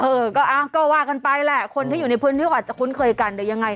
เออก็อ่าก็ว่ากันไปแหละคนที่อยู่ในพื้นที่อาจจะคุ้นเคยกันหรือยังไง